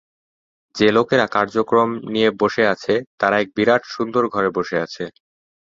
যে-লোকেরা কার্যক্রম নিয়ে বসে আছে, তারা একটা বিরাট, সুন্দর ঘরে বসে আছে।